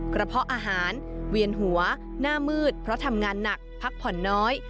เพาะอาหารเวียนหัวหน้ามืดเพราะทำงานหนักพักผ่อนน้อย